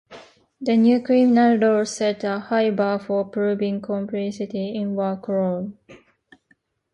The new criminal law set a high bar for proving complicity in war crimes.